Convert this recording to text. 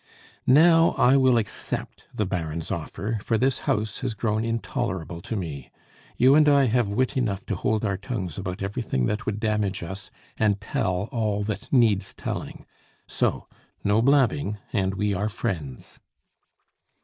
Now, I will accept the Baron's offer, for this house has grown intolerable to me. You and I have wit enough to hold our tongues about everything that would damage us, and tell all that needs telling. So, no blabbing and we are friends."